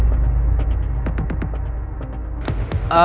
putri ada dimana